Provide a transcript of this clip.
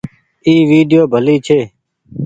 اي ويڊيو ڀلي ڇي۔